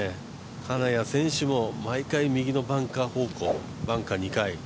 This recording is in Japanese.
金谷選手も毎回右のバンカー方向、バンカー２回。